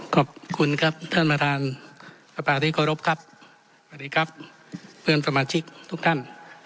ขอบคุณครับท่านประธานสภาที่เคารพครับสวัสดีครับเพื่อนสมาชิกทุกท่าน